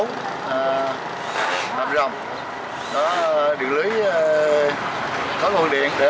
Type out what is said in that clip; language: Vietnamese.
nam rồng điện lý có nguồn điện để